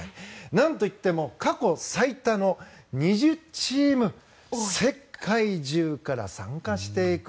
何といっても過去最多の２０チーム世界中から参加してくる。